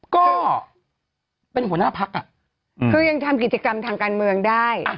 ก็เป็นหัวหน้าภักร์อ่ะอืมคือยังทำกิจกรรมทางการเมืองได้อ่ะ